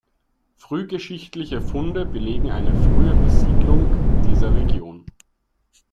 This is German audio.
Frühgeschichtliche Funde belegen eine frühe Besiedlung dieser Region.